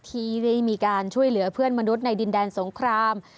ที่ได้มีการช่วยเหลือเพื่อนมนุษย์ในดินแดนสงคราม